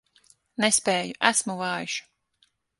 Nespēju, esmu vājš.